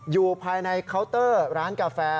อยู่ภายในเคาน์เตอร์ร้านกาแฟ